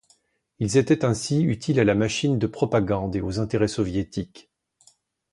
Ils étaient ainsi utiles à la machine de propagande et aux intérêts soviétiques.